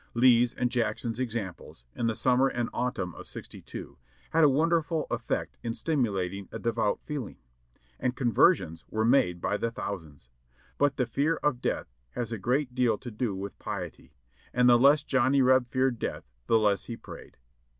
Lee's and Jackson's examples, in the summer and autumn of '62. had a won derful effect in stimulating a devout feeling, and conversions were made by the thousands ; but the fear of death has a great deal to do with piety, and the less Johnny Reb feared death the less he prayed.